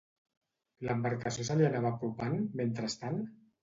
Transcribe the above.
L'embarcació se li anava apropant, mentrestant?